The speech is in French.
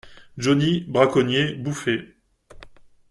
Johny, braconnier Bouffé.